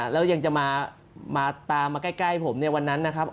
แล้วยังจะมาตามมาใกล้ผมในวันนั้นนะครับ